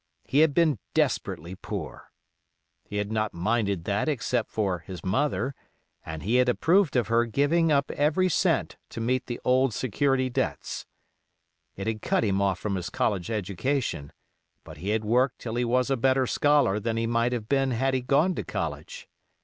He had been desperately poor. He had not minded that except for his mother, and he had approved of her giving up every cent to meet the old security debts. It had cut him off from his college education; but he had worked till he was a better scholar than he might have been had he gone to college.